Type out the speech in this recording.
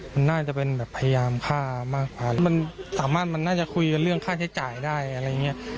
มันน่าจะเป็นพยายามค่ามากกว่ามันน่าจะคุยเรื่องค่าใช้จ่ายได้อะไรอย่างนี้